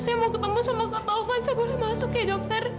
saya mau ketemu sama kak taufan saya boleh masuk ya dokter